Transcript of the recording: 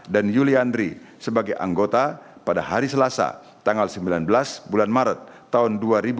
yuliandri sebagai anggota pada hari selasa tanggal sembilan belas bulan maret tahun dua ribu dua puluh